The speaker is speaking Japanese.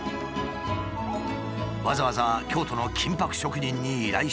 わざわざ京都の金箔職人に依頼したという。